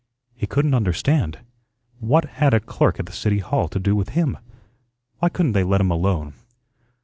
He couldn't understand. What had a clerk at the City Hall to do with him? Why couldn't they let him alone?